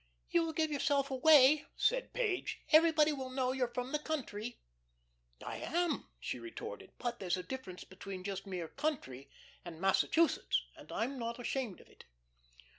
"You will give yourself away," said Page. "Everybody will know you're from the country." "I am," she retorted. "But there's a difference between just mere 'country' and Massachusetts, and I'm not ashamed of it."